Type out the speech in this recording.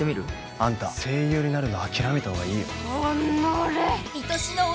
あんた声優になるの諦めた方がいいよ